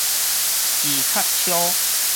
皮卡 𪁎